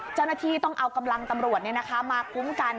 เจ้าหน้าที่ต้องเอากำลังตำรวจมาคุ้มกัน